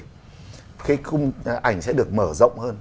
cái khung ảnh sẽ được mở rộng hơn